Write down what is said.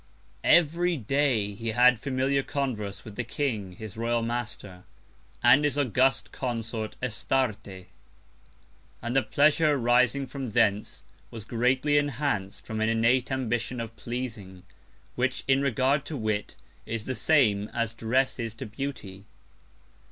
Every Day he had familiar Converse with the King, his Royal Master, and his august Consort, Astarte. And the Pleasure arising from thence was greatly enhanc'd from an innate Ambition of pleasing, which, in regard to Wit, is the same, as Dress is to Beauty.